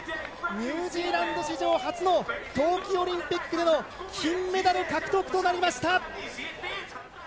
ニュージーランド史上初の冬季オリンピックでの金メダル獲得となりました！